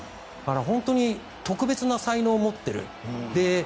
本当に特別な才能を持ってる。